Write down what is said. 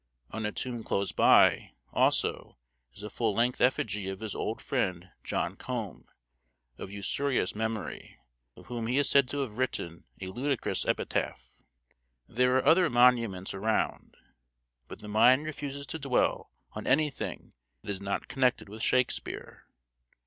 On a tomb close by, also, is a full length effigy of his old friend John Combe, of usurious memory, on whom he is said to have written a ludicrous epitaph. There are other monuments around, but the mind refuses to dwell on anything that is not connected with Shakespeare.